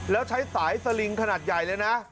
แล้วใช้สายสลิงขนาดใหญ่เลยนะ